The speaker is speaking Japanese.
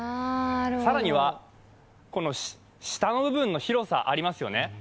更には、下の部分の広さありますよね。